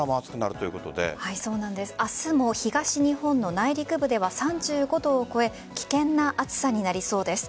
明日も東日本の内陸部では３５度を超え危険な暑さになりそうです。